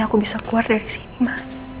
aku bisa keluar dari sini mah